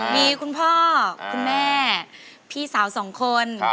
มีคุณพ่อคุณแม่พี่สาวสองคน